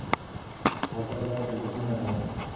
غصه د عقل دښمنه ده.